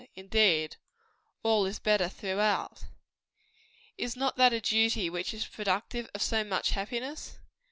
Indeed, all is better throughout. Is not that a duty which is productive of so much happiness?